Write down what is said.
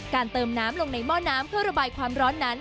เติมน้ำลงในหม้อน้ำเพื่อระบายความร้อนนั้น